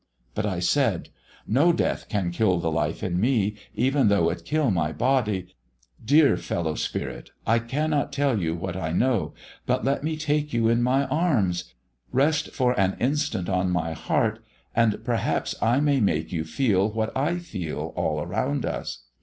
"But I said: 'No Death can kill the life in me, even though it kill my body. Dear fellow spirit, I cannot tell you what I know; but let me take you in my arms; rest for an instant on my heart, and perhaps I may make you feel what I feel all around us.'